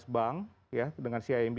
lima belas bank dengan cimb